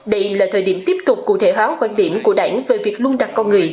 đây là thời điểm tiếp tục cụ thể hóa quan điểm của đảng về việc luôn đặt con người